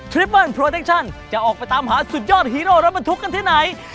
ทริปเบิ้ลโปรเท็กชั่นจะออกไปตามหาสุดยอดฮีโร่รับมันทุกข์กันที่ไหน